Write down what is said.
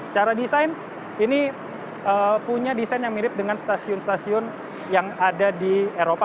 secara desain ini punya desain yang mirip dengan stasiun stasiun yang ada di eropa